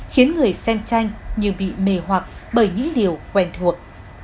khiến người xem tranh như bị mề hoặc bởi những điều quen thuộc